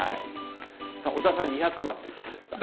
小沢さん２００万ということですが。